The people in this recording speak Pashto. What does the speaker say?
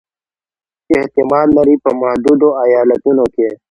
چې احتمال لري په متحدو ایالتونو کې